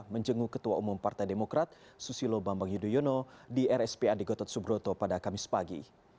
menjenguk ketua umum partai demokrat susilo bambang yudhoyono di rspad gotot subroto pada kamis pagi